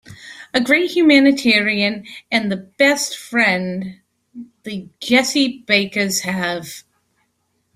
A great humanitarian and the best friend the Jessie Bakers have.